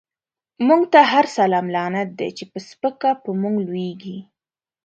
موږ ته هر سلام لعنت دی، چی په سپکه په موږ لويږی